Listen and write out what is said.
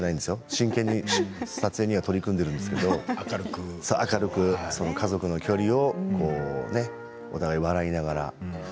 真剣に撮影には取り組んでいるんですけど明るく家族の距離をお互い笑いながら。